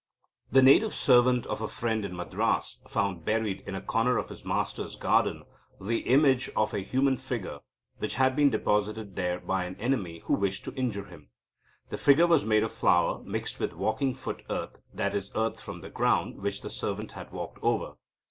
The Native servant of a friend in Madras found buried in a corner of his master's garden the image of a human figure, which had been deposited there by an enemy who wished to injure him. The figure was made of flour, mixed with "walking foot earth," i.e., earth from the ground, which the servant had walked over.